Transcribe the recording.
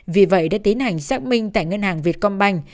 vì vậy đã tiến hành xác minh tại ngân hàng việt công banh